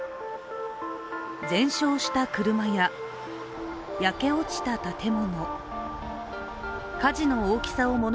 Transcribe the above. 全焼した車や焼け落ちた建物。